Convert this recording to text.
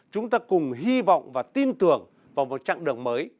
chúng ta cùng hy vọng và tin tưởng vào một chặng đường mới